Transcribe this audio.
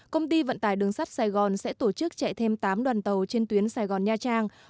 công ty vận tải đường sắt sài gòn sẽ tổ chức chạy thêm tám đoàn tàu trên tuyến sài gòn nha trang